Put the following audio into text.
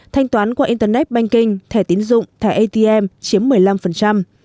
thanh toán qua internet banking thẻ tín dụng thẻ atm chiếm một mươi năm